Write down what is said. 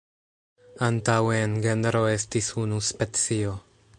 Antaŭe en genro estis unu specio.